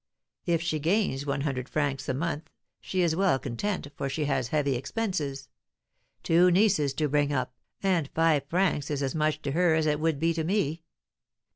If she gains 100 francs a month, she is well content, for she has heavy expenses, two nieces to bring up; and five francs is as much to her as it would be to me.